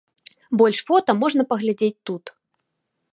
Больш фота можна паглядзець тут.